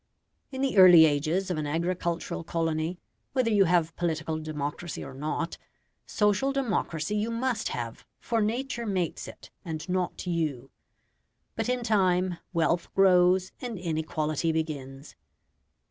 In the early ages of an agricultural colony, whether you have political democracy or not, social democracy you must have, for nature makes it, and not you. But in time, wealth grows and inequality begins.